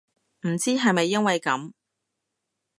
唔知係咪因為噉